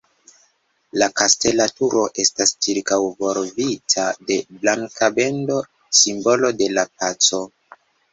La kastela turo estas ĉirkaŭvolvita de blanka bendo, simbolo de la paco.